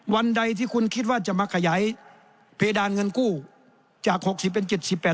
วันใดที่คุณคิดว่าจะมาขยายเพดานเงินกู้จาก๖๐เป็น๗๘